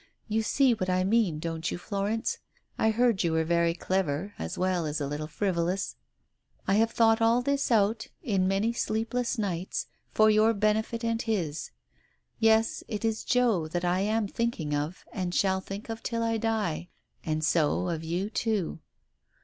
You see what I mean, don't you, Florence? I heard you were very clever, as well as a little frivolous. "I have thought all this out, in many sleepless nights, for your benefit and his. Yes, it is Joe that I am think ing of, and shall think of till I die. And so of you, too.